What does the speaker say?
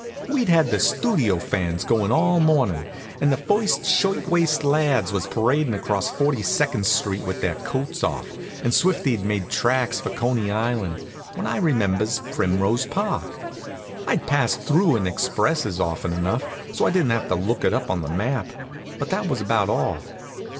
We'd had the Studio fans goin' all the mornin', and the first shirtwaist lads was paradin' across Forty second street with their coats off, and Swifty'd made tracks for Coney Island, when I remembers Primrose Park. I'd passed through in expresses often enough, so I didn't have to look it up on the map; but that was about all.